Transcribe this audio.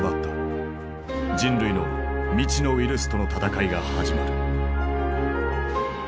人類の未知のウイルスとの闘いが始まる。